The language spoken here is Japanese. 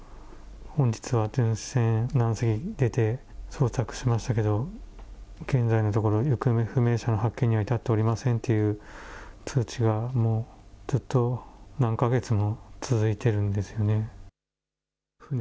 捜索しましたけど、現在のところ、行方不明者の発見には至っておりませんという通知がもうずっと何か月も続いているんですよね。